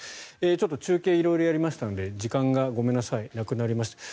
ちょっと中継色々やりましたので時間がなくなりました。